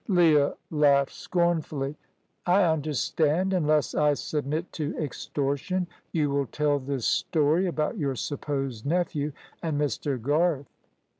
Leah laughed scornfully. "I understand: unless I submit to extortion you will tell this story about your supposed nephew and Mr. Garth."